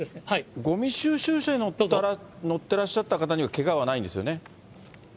ごみ収集車に乗ってらっしゃった方にはけがはないんですよね。